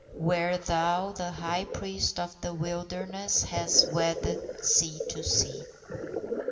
Where, thou the high priest of the wilderness, Hast wedded sea to sea.